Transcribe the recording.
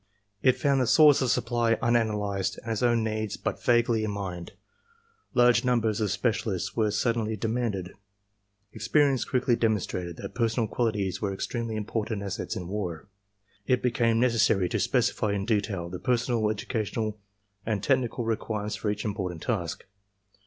It found the source of supply unanalyzed and its own needs but vaguely in mind. Large numbers of specialists were suddenly demanded. Experience quickly demonstrated that personal qualities were extremely important assets in war. It became necessary to specify in detail the personal, educational and technical re quirements for each important task.